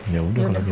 ya udah kalau gitu